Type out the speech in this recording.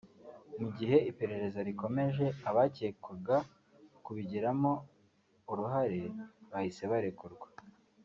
Mu gihe iperereza rikomeje abacyekwaga kubigiramo uruhare bahise barekurwa